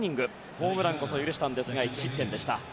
ホームランこそ許したんですが１失点でした。